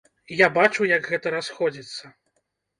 Я бачу, як гэта расходзіцца.